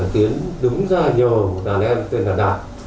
tiến đứng ra nhờ một đàn em tên là đạt